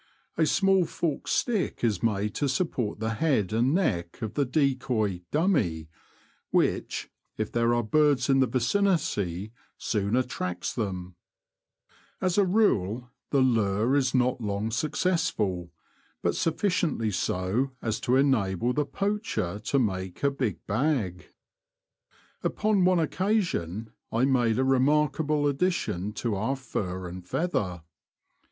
A small forked stick is made to support the head and neck of the decoy '' dummy," which, if there are birds in the vicinity, soon attracts them As a rule the lure is not long suc cessful, but sufficiently so as to enable the poacher to make a big bag. Upon one oc casion I made a remarkable addition to our fur and feather.